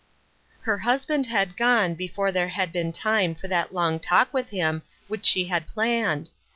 Her husband had gone before there had been time for that long talk with him which she had planned.